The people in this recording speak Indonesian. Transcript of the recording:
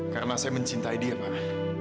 karena saya mencintai dia pak